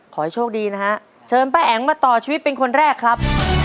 ขอให้โชคดีนะฮะเชิญป้าแอ๋งมาต่อชีวิตเป็นคนแรกครับ